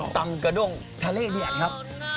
ตำกระด้งทะเลเดือดครับ